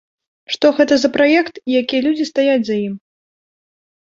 Што гэта за праект і якія людзі стаяць за ім?